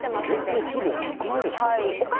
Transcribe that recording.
結構、粒大きくないですか、これ。